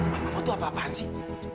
mamamu itu apa apaan sih